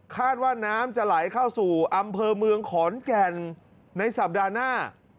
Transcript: ว่าน้ำจะไหลเข้าสู่อำเภอเมืองขอนแก่นในสัปดาห์หน้า